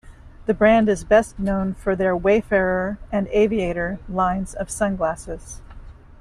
The brand is best known for their "Wayfarer" and "Aviator" lines of sunglasses.